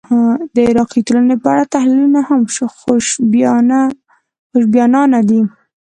د عراقي ټولنې په اړه تحلیلونه هم خوشبینانه دي.